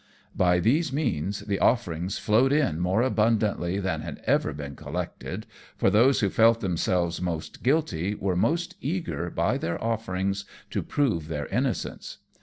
By these means the offerings flowed in more abundantly than had ever been collected, for those who felt themselves most guilty were most eager, by their offerings, to prove their innocence.